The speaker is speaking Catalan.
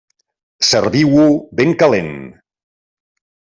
Serviu-ho ben calent.